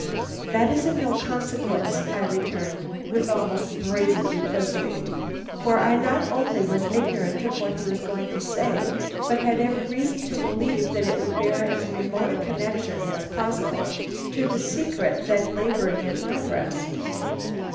"That is of no consequence," I returned, with almost brazen duplicity; for I not only was ignorant of what he was going to say, but had every reason to believe that it would bear as remote a connection as possible to the secret then laboring in my breast.